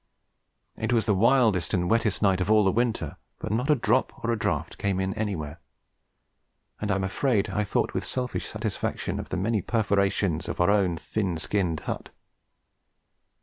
It was the wildest and wettest night of all the winter, but not a drop or a draught came in anywhere, and I am afraid I thought with selfish satisfaction of the many perforations in our own thin skinned hut.